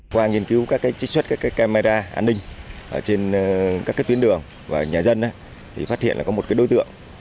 qua nghiên cứu các chiếc xoét camera an ninh trên các tuyến đường và nhà dân phát hiện có một đối tượng